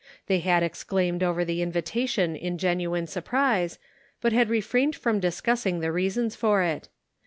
They had exclaimed over the invitation in genuine surprise, but had refrained from discussing the reasons for it.